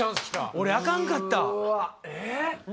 俺あかんかった。